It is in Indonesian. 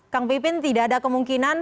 kang pipin tidak ada kemungkinan